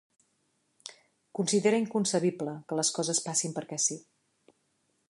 Considera inconcebible que les coses passin perquè sí.